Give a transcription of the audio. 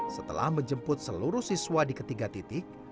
setelah menjemput seluruh siswa di ketiga titik